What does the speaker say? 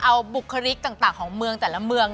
เอาบุคลิกต่างของเมืองแต่ละเมือง